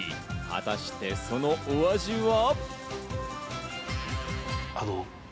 果たして、そのお味は？